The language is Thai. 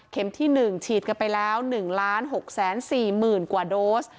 ที่๑ฉีดกันไปแล้ว๑๖๔๐๐๐กว่าโดส